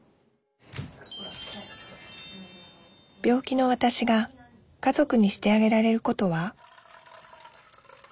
病気のわたしが家族にしてあげられることは？